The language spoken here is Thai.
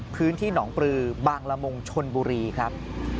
พื้นที่หนองปลือบางละมุงชนบุรีครับ